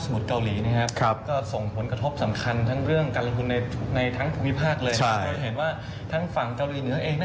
ซึ่งประเด็นนี้นะครับผมคิดว่าน่าจะเป็นประเด็นที่คอยกดดันตลาดหุ้นต่อ